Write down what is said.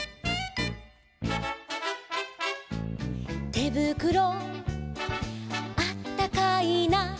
「てぶくろあったかいな」